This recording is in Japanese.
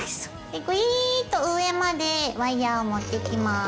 ぐいっと上までワイヤーを持ってきます。